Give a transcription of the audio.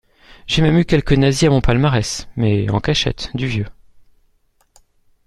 J’ai même eu quelques nazis à mon palmarès, mais en cachette du vieux